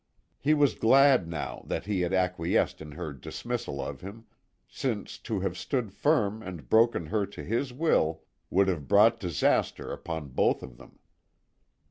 He was glad now that he had acquiesced in her dismissal of him, since to have stood firm and broken her to his will would have brought disaster upon both of them.